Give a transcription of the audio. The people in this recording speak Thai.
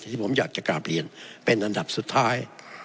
ที่ผมอยากจะกราบเรียนเป็นอันดับสุดท้าย